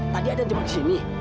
tadi ada yang jembat di sini